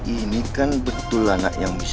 ini kan betul anak yang bisa